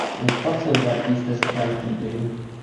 Und trotzdem bleibt dies das Kernproblem.